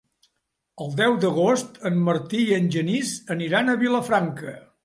El deu d'agost en Martí i en Genís aniran a Vilafranca.